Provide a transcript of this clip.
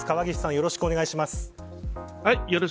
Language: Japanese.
よろしくお願いします。